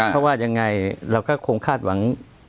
เพราะว่ายังไงเราก็คงคาดหวัง